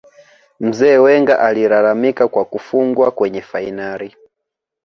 Mzee Wenger alilalamika kwa kufungwa kwenye fainali